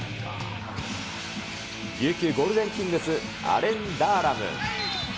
琉球ゴールデンキングス、アレン・ダーラム。